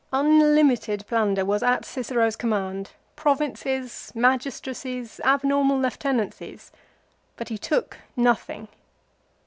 Unlimited plunder was at Cicero's com mand, provinces, magistracies, abnormal lieutenancies; 58 LIFE OF CICERO. but lie took nothing.